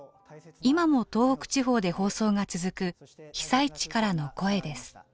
今も東北地方で放送が続く「被災地からの声」です。